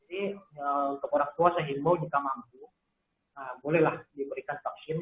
jadi untuk orang tua saya ingin mau jika mampu bolehlah diberikan vaksin